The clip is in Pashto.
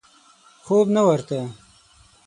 خوب نه ورته.